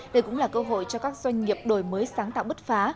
đây cũng là cơ hội cho các doanh nghiệp đổi mới sáng tạo bứt phá